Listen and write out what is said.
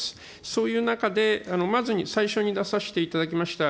そういう中でまず最初に出させていただきました